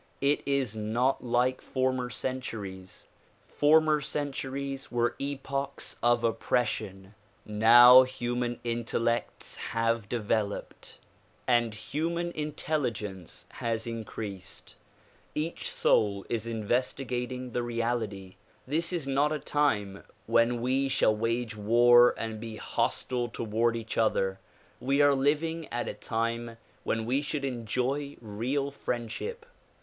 It is not like former centuries. Former centuries were epochs of oppression. Now human intellects have developed and human 218 THE PKOMULGATION OF UNIVERSAL PEACE intelligence has increased. Each soul is investigating the reality. This is not a time when we shall wage war and be hostile toward each other. We are living at a time when we should enjoy the real friendship.